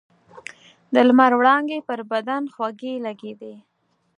د لمر وړانګې پر بدن خوږې لګېدې.